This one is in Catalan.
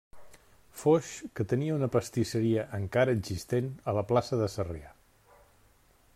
Foix, que tenia una pastisseria, encara existent, a la plaça de Sarrià.